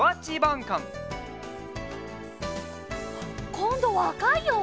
こんどはあかいよ！